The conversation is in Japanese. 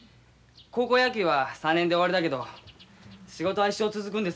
高校野球は３年で終わりだけど仕事は一生続くんですから。